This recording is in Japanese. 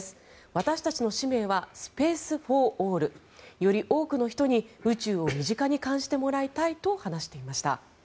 私たちの使命はスペース・フォー・オールより多くの人に宇宙を身近に感じてもらいたいと話していました。